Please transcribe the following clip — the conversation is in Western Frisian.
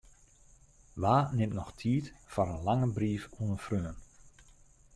Wa nimt noch tiid foar in lange brief oan in freon?